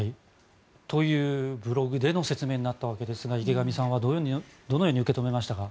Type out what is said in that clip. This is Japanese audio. というブログでの説明になったわけですが池上さんはどのように受け止めましたか？